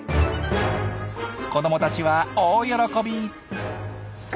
子どもたちは大喜び。